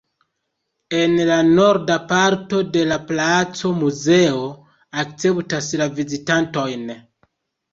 En la norda parto de la placo muzeo akceptas la vizitantojn.